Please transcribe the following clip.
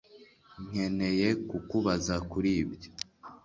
Nkeneye kukubaza kuri ibyo